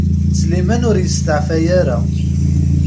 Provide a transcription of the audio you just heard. Sliman ur yesteɛfay ara.